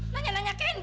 hah nanya nanya candy